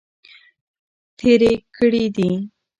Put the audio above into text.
تیرې کړي دي.